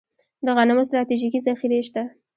د غنمو ستراتیژیکې ذخیرې شته